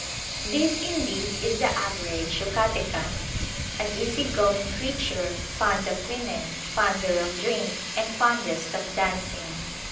This indeed is the average Yucatecan; an easy going creature, fond of women, fonder of drink, and fondest of dancing.